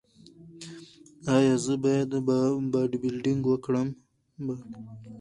ایا زه باید باډي بلډینګ وکړم؟